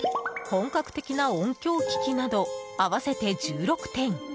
本格的な音響機器など合わせて１６点。